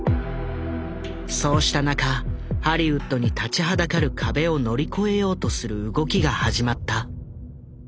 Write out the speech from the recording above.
そうした中ハリウッドに立ちはだかる壁を乗り越えようとする動きが始まった。